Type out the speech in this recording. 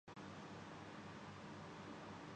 ان کی ججی برقرار ہے۔